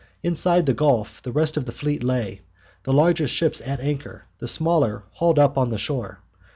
Inside the Gulf the rest of the fleet lay, the largest ships at anchor, the smaller hauled up on the shore.